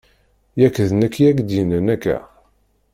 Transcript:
Yak d nekk i ak-d-yennan akka!